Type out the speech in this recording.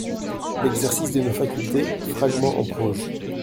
L'Exercice de nos facultés, fragment en prose.